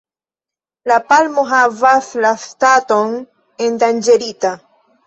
La palmo havas la staton "endanĝerita“.